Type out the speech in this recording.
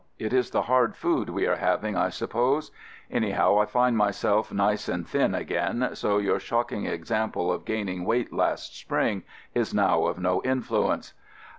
It is the hard food we are having, I sup pose. Anyhow, I find myself nice and thin again, so your shocking example of gaining weight last spring is now of no influence.